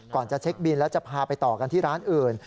จะเช็คบินแล้วจะพาไปต่อกันที่ร้านอื่น